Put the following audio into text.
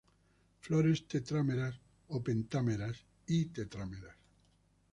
Flores tetrámeras o pentámeras y tetrámeras.